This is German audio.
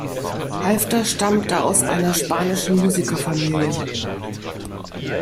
Halffter stammte aus einer spanischen Musikerfamilie.